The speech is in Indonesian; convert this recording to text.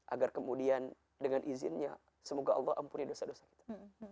agar kemudian dengan izinnya semoga allah ampuni dosa dosa kita